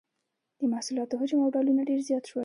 د محصولاتو حجم او ډولونه ډیر زیات شول.